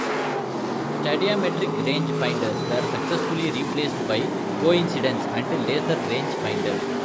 Stadiametric range-finders were successively replaced by coincidence and laser rangefinders.